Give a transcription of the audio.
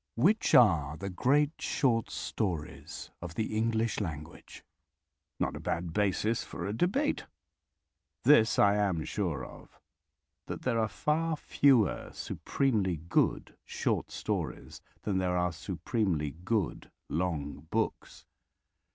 Which are the great short stories of the English language? Not a bad basis for a debate! This I am sure of: that there are far fewer supremely good short stories than there are supremely good long books.